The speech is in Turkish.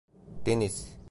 Deniz…